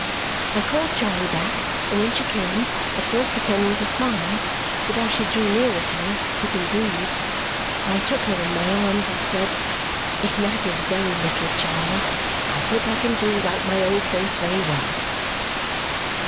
I called Charley back, and when she came at first pretending to smile, but as she drew nearer to me, looking grieved I took her in my arms and said, "It matters very little, Charley. I hope I can do without my old face very well."